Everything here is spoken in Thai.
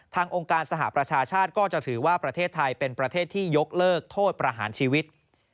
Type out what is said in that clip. องค์การสหประชาชาติก็จะถือว่าประเทศไทยเป็นประเทศที่ยกเลิกโทษประหารชีวิต